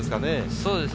そうですね。